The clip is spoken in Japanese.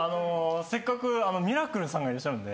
せっかくミラクルさんがいらっしゃるんで。